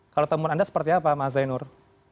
kalau temuan anda seperti apa mas zainur